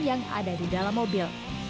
yang ada di dalam mobil